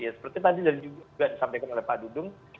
seperti tadi juga disampaikan oleh pak dudung